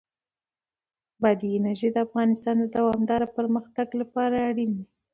بادي انرژي د افغانستان د دوامداره پرمختګ لپاره اړین دي.